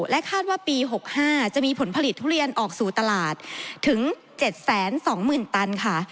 คาดว่าปี๖๕จะมีผลผลิตทุเรียนออกสู่ตลาดถึง๗๒๐๐๐ตันค่ะ